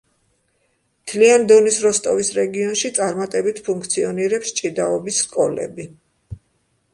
მთლიან დონის როსტოვის რეგიონში წარმატებით ფუნქციონირებს ჭიდაობის სკოლები.